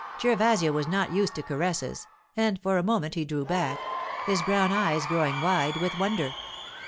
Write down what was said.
Gervasio was not used to caresses, and for a moment he drew back, his brown eyes growing wide with wonder.